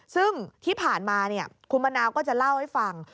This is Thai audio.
ซึ่งที่ผ่านมาคุณมะนาวก็จะเล่าให้ฟัง